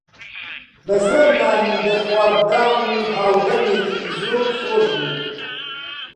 بە زۆر نانی دەرخوارد دام و هاودەمێکی زۆر خۆش بوو